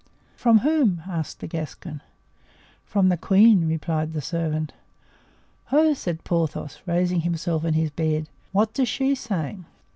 "From whom?" asked the Gascon. "From the queen," replied the servant. "Ho!" said Porthos, raising himself in his bed; "what does she say?"